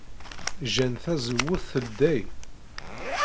Jjan tazewwut teldey.